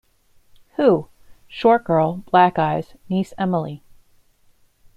‘Who?’ Short girl — black eyes — niece Emily.